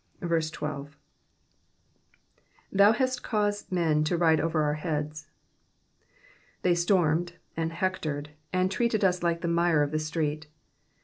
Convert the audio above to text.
13. 7%^i hast caused men to ride over our htad»/^ They f formed, and hectored, anr] treated us like the mire of the street.